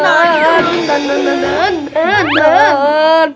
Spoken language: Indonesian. tan tan tan tan tan tan